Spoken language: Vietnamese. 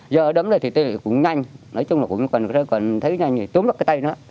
giờ đấm ra thì tôi cũng nhanh nói chung là cũng còn thấy nhanh túm bắt cái tay nó